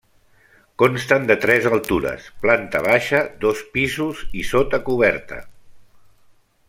Consten de tres altures, planta baixa, dos pisos i sota coberta.